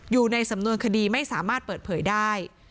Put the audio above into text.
อยู่ในสำนวนคดีไม่สามารถเปิดเผยได้